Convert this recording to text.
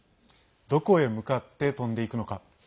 どこへ向かって飛んでいくのか。